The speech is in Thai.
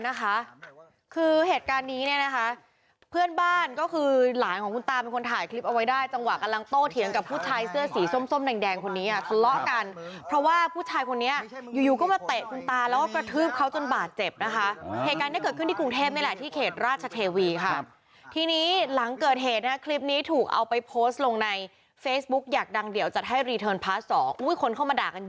นะคะคือเหตุการณ์นี้เนี้ยนะคะเพื่อนบ้านก็คือหลานของคุณตาเป็นคนถ่ายคลิปเอาไว้ได้จังหวะกำลังโตเถียงกับผู้ชายเสื้อสีส้มส้มแดงแดงคนนี้อ่ะสละกันเพราะว่าผู้ชายคนนี้อ่ะอยู่อยู่ก็มาเตะคุณตาแล้วก็กระทืบเขาจนบาดเจ็บนะคะเหตุการณ์นี้เกิดขึ้นที่กรุงเทพนี่แหละที่เขตราชเทวีค่ะ